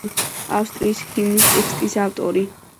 ავსტრიის ჰიმნის ტექსტის ავტორი.